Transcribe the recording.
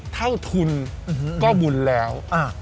เท่าทุนก็บุญแล้ว